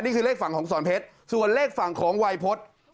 นี่คือเลขฝั่งของสอนเพชรส่วนเลขฝั่งของวัยพฤษ